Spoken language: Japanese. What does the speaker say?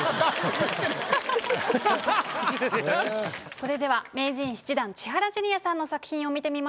それでは名人７段千原ジュニアさんの作品を見てみましょう。